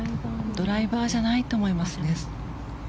ドライバーじゃないと思います。